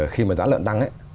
khi mà giá lợn tăng